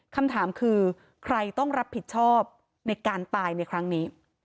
คำถามคือใครต้องรับผิดชอบในการตายในครั้งนี้